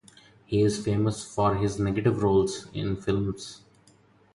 He is famous for his Negative roles in Films.